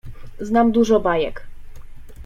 Znam dużo bajek.